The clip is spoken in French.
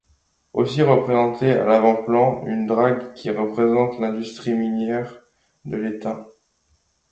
Aussi représenté à l’avant-plan, une drague qui représente l’industrie minière de l’étain.